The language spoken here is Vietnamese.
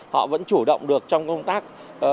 họ vẫn chủ động được trong công tác